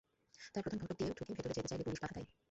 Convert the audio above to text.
তাঁরা প্রধান ফটক দিয়ে ঢুকে ভেতরে যেতে চাইলে পুলিশ বাধা দেয়।